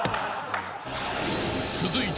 ［続いて］